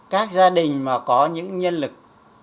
các gia đình mà có những nhân lực